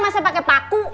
masa pakai paku